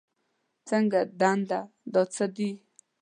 څنګه دنده، دا څه دي؟